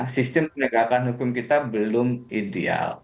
sistem penegakan hukum kita belum ideal